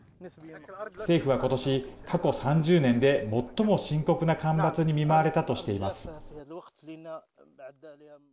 政府は今年、過去３０年で最も深刻な干ばつに見舞われたとしています。